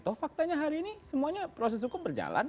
toh faktanya hari ini semuanya proses hukum berjalan